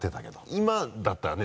今だったらね